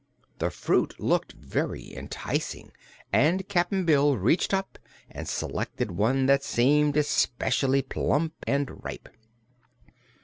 The fruit looked very enticing and Cap'n Bill reached up and selected one that seemed especially plump and ripe.